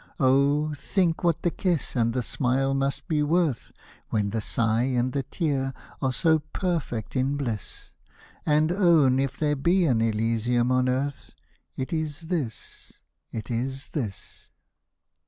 Oh ! think what the kiss and the smile must be worth When the sigh and the tear are so perfect in bliss, And own if there be an Elysium on earth, It is this, it is this.